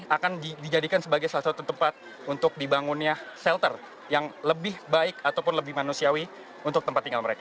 akan dijadikan sebagai salah satu tempat untuk dibangunnya shelter yang lebih baik ataupun lebih manusiawi untuk tempat tinggal mereka